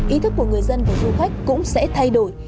ý thức của người dân và du khách cũng sẽ thay đổi